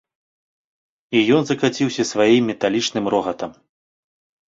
І ён закаціўся сваім металічным рогатам.